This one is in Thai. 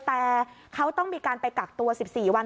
แต่เขาต้องมีการไปกักตัว๑๔วัน